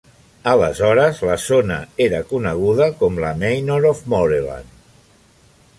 Aleshores, la zona era coneguda com la "Manor of Moreland".